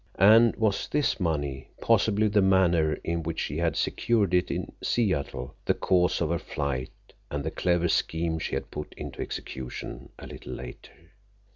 And was this money—possibly the manner in which she had secured it in Seattle—the cause of her flight and the clever scheme she had put into execution a little later?